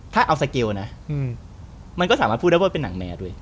ถ้าเอาสเกลนะมันก็สามารถพูดได้ว่าเป็นหนังแมร์ด้วย